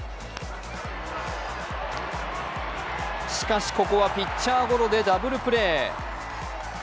しかしここはピッチャーゴロでダブルプレー。